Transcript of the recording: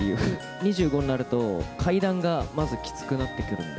２５になると、階段がまずきつくなってくるんで。